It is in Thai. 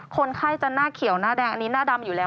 คนไข้จะหน้าเขียวหน้าแดงอันนี้หน้าดำอยู่แล้ว